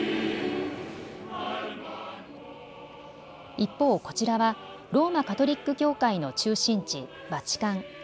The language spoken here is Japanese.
一方、こちらはローマ・カトリック教会の中心地、バチカン。